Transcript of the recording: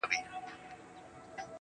صابون یا عطر کاروئ